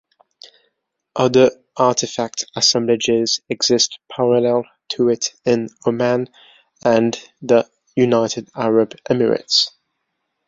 Other artefact assemblages exist parallel to it in Oman and the United Arab Emirates.